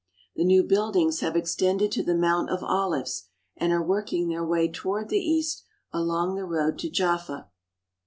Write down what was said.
The new buildings have extended to the Mount of Olives, and are working their way toward the east along the road to Jaffa.